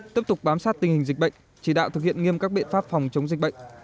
tiếp tục bám sát tình hình dịch bệnh chỉ đạo thực hiện nghiêm các biện pháp phòng chống dịch bệnh